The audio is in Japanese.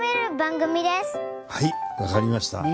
はいわかりました。